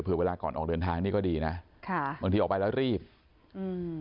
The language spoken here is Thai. เวลาก่อนออกเดินทางนี่ก็ดีนะค่ะบางทีออกไปแล้วรีบอืม